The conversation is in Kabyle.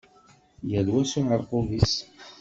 Yal wa s uɛerqub-is.